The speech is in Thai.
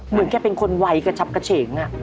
เหมือนแกเป็นคนไวกระชับกระเฉง